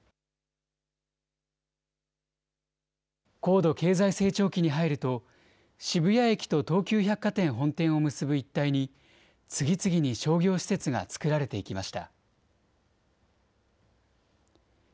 高度経済成長期に入ると、渋谷駅と東急百貨店本店を結ぶ一帯に、次々に商業施設がつくられていきました。